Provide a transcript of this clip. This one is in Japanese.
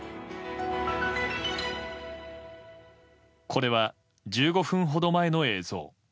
これは１５分ほど前の映像。